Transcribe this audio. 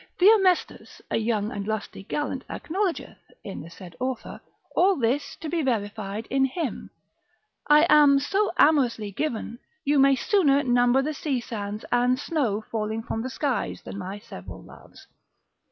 Theomestus a young and lusty gallant acknowledgeth (in the said author) all this to be verified in him, I am so amorously given, you may sooner number the sea sands, and snow falling from the skies, than my several loves.